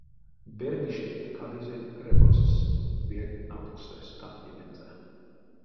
Бердышенть кадызе крепостьс, вельть налкстась кантнемензэ.